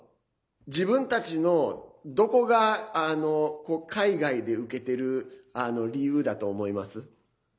自分たちのどこが、海外でウケてる理由だと思います？